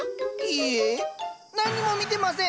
いいえ何にも見てません！